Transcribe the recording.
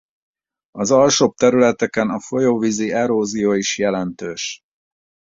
Az alsóbb területeken a folyóvízi erózió is jelentős.